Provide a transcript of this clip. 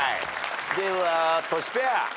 ではトシペア。